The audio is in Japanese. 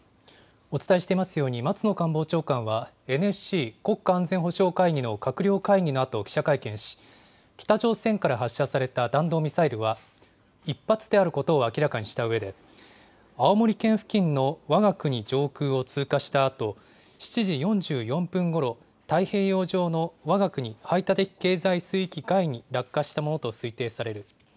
お伝えしていますように、松野官房長官はＮＳＣ・国家安全保障会議の閣僚会議のあと記者会見し、北朝鮮から発射された弾道ミサイルは、１発であることを明らかにしたうえで、青森県付近のわが国上空を通過したあと、７時４４分ごろ、太平洋上のわが国排他的経済水域外に落下したものと推定される。